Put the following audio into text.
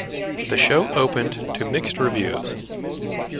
The show opened to mixed reviews.